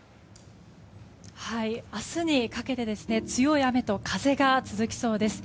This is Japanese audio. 明日にかけて強い雨と風が続きそうです。